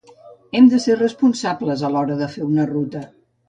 hem de ser responsables a l'hora de fer una ruta